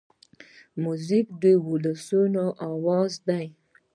موزیک د ولسونو آواز دی.